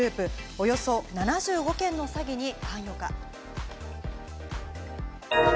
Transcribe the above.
およそ７５件の詐欺に関与か？